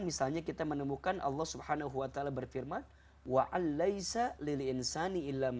misalnya kita menemukan allah swt berfirman